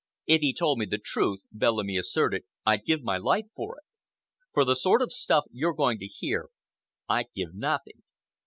"If he told me the truth," Bellamy asserted, "I'd give my life for it. For the sort of stuff you're going to hear, I'd give nothing.